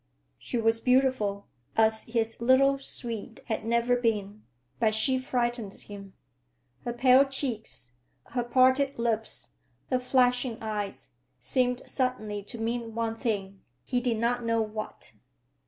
She was beautiful, as his little Swede had never been, but she frightened him. Her pale cheeks, her parted lips, her flashing eyes, seemed suddenly to mean one thing—he did not know what.